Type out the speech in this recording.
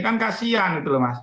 kan kasian gitu loh mas